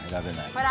ほら。